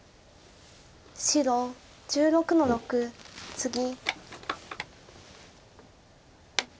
白１６の六ツギ。